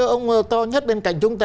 ông to nhất bên cạnh chúng ta